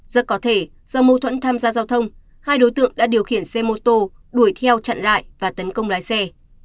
rất có thể do mâu thuẫn tham gia giao thông hai đối tượng đã điều khiển xe mô tô đuổi theo chặn lại và tấn công lái xe